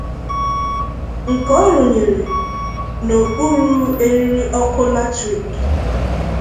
nke a rụnyere n'okpuru eriri ọkụ latirik